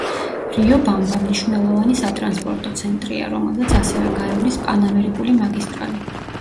რიობამბა მნიშვნელოვანი სატრანსპორტო ცენტრია, რომელზეც ასევე გაივლის პანამერიკული მაგისტრალი.